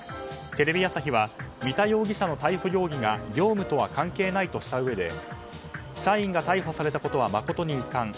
テレビ朝日は三田容疑者の逮捕容疑が業務とは関係ないとしたうえで社員が逮捕されたことは誠に遺憾。